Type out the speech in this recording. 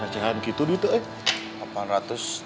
rajaan gitu dutuk ya